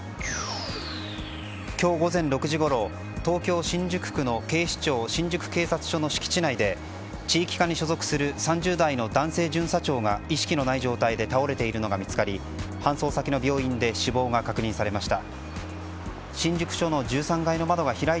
今日午前６時ごろ東京・新宿区の警視庁・新宿警察署の敷地内で地域課に所属する３０代の男性巡査長が意識のない状態で倒れているのが見つかり搬送先の病院で死亡が確認されました。